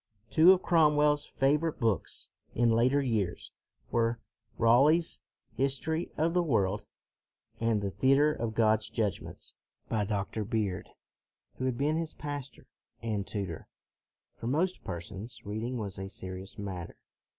Two of Cromwell's favorite books, in later years, were Raleigh's " His tory of the World," and the " Theatre of God's Judgments,' 1 by Dr. Beard, who had been his pastor and tutor. For most per sons, reading was a serious matter.